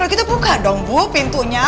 kita buka dong bu pintunya